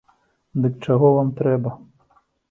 Дык чаго вам трэба?